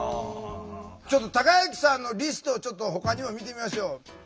たかゆきさんのリストをちょっとほかにも見てみましょう。